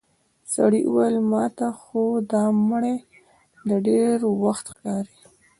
سړي وويل: ماته خو دا مړی د ډېر وخت ښکاري.